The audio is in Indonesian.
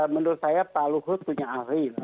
menurut saya pak luhut punya ahli